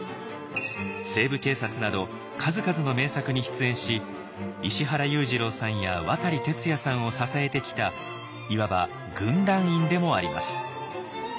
「西部警察」など数々の名作に出演し石原裕次郎さんや渡哲也さんを支えてきたいわば「軍団員」でもあります。